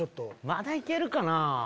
まだいけるかな。